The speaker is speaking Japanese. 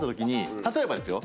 例えばですよ。